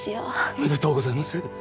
おめでとうございます！